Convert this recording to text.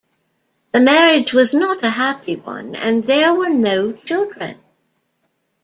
The marriage was not a happy one, and there were no children.